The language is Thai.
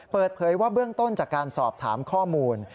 เปิดเผยว่าเบื้องต้นจากการสอบถามข้อมูล